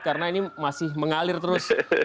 karena ini masih mengalir terus